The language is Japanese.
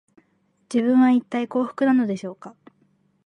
自分は、いったい幸福なのでしょうか